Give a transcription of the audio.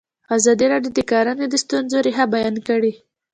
ازادي راډیو د کرهنه د ستونزو رېښه بیان کړې.